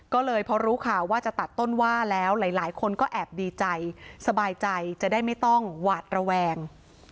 ก็เลยพอรู้ข่าวว่าจะตัดต้นว่าแล้วหลายคนก็แอบดีใจสบายใจจะได้ไม่ต้องหวาดระแวง